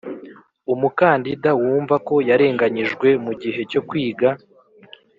Umukandida wumva ko yarenganyijwe mu gihe cyo kwiga